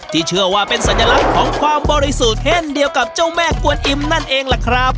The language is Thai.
เชื่อว่าเป็นสัญลักษณ์ของความบริสุทธิ์เช่นเดียวกับเจ้าแม่กวนอิมนั่นเองล่ะครับ